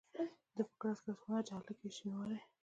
ده په کړس کړس وخندل چې هلکه یې شینواری.